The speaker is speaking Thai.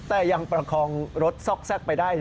แต่ยังประคองรถซอกแทรกไปได้